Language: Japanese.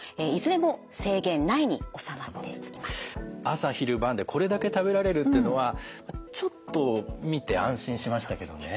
朝昼晩でこれだけ食べられるというのはちょっと見て安心しましたけどね。